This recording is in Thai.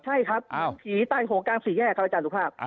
ใช่ครับแก่ตามของการผิดแยกอาจารย์สุภาพ